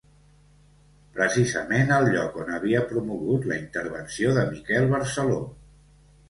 Precisament el lloc on havia promogut la intervenció de Miquel Barceló.